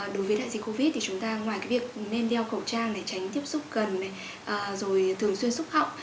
đối với đại dịch covid chúng ta ngoài việc đeo cầu trang tránh tiếp xúc gần thường xuyên xúc họng